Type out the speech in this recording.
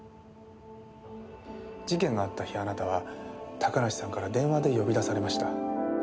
事件があった日あなたは高梨さんから電話で呼び出されました。